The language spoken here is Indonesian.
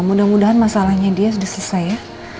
mudah mudahan masalahnya dia sudah selesai ya